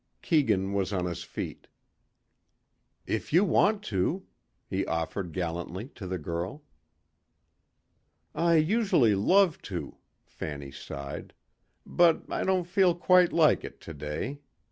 Keegan was on his feet. "If you want to," he offered gallantly to the girl. "I usually love to," Fanny sighed. "But I don't feel quite like it today.